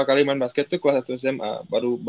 kali kali main basket tuh kelas satu sma